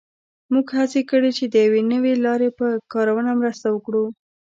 موږ هڅه کړې چې د یوې نوې لارې په کارونه مرسته وکړو